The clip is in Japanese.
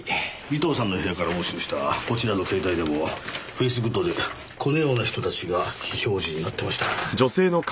尾藤さんの部屋から押収したこちらの携帯でもフェイスグッドでこのような人たちが非表示になってました。